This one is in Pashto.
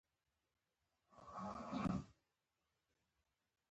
تنور د کلیوالو ورځني ژوند لازم شی دی